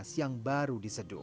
saya mencoba dengan kekuatan